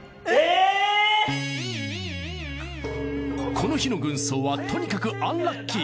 この日の軍曹はとにかくアンラッキー。